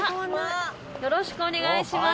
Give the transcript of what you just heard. よろしくお願いします。